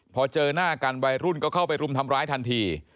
พอเจอหน้ากันวัยรุ่นก็เข้าไปรุมทำร้ายทันที